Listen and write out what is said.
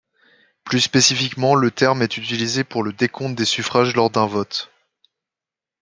Plus spécifiquement le terme est utilisé pour le décompte des suffrages lors d'un vote.